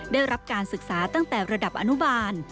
ได้รับการศึกษาตั้งแต่ระดับอนุบาล